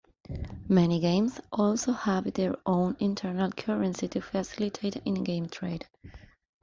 Many games also have their own internal currency to facilitate in-game trade.